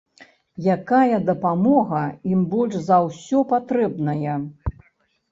Якая дапамога ім больш за ўсё патрэбная?